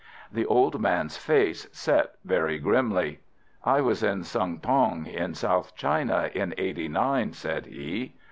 The old man's face set very grimly. "I was in Sung tong, in South China, in 'eighty nine," said he.